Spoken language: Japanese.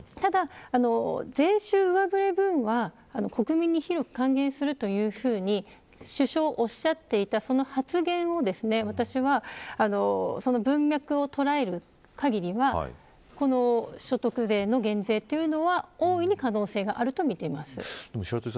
ただ、税収上振れ分は国民に広く還元するというふうに首相がおっしゃっていった発言を私は、文脈を捉えるかぎりは所得税の減税は、大いに可能性があるとみています。